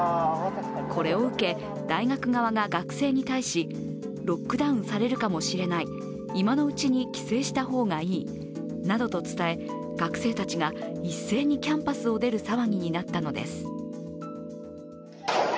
これを受け、大学側が学生に対しロックダウンされるかもしれない今のうちに帰省した方がいいなどと伝え、学生たちが一斉にキャンパスを出る騒ぎになったのです。